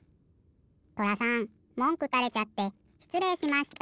とらさんもんくたれちゃってしつれいしました。